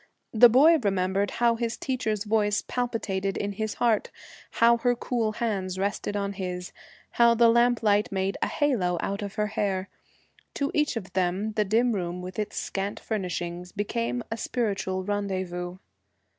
The boy remembered how his teacher's voice palpitated in his heart, how her cool hands rested on his, how the lamplight made a halo out of her hair. To each of them the dim room with its scant furnishings became a spiritual rendezvous.